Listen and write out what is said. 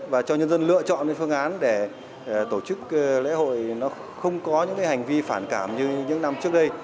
và cho nhân dân lựa chọn phương án để tổ chức lễ hội nó không có những hành vi phản cảm như những năm trước đây